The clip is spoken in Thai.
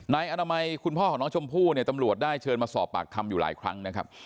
นายอนามัยคุณพ่อของน้องชมพู่เนี่ยตำรวจได้เชิญมาสอบปากคำอยู่หลายครั้งนะครับ